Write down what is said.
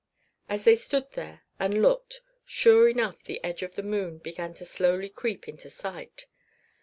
As they stood there and looked sure enough the edge of the moon began to slowly creep into sight.